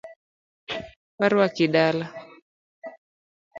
Waruaki dala.